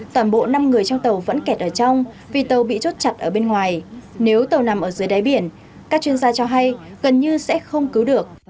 toàn bộ năm người trong tàu vẫn kẹt ở trong vì tàu bị chốt chặt ở bên ngoài nếu tàu nằm ở dưới đáy biển các chuyên gia cho hay gần như sẽ không cứu được